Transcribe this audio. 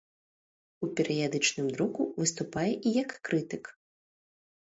У перыядычным друку выступае і як крытык.